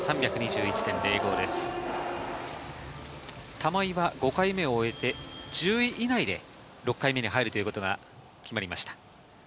玉井は５回目を終えて、１０位以内で６回目に入ることが決まりました。